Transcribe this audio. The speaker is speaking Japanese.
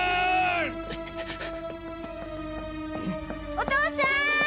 お父さん！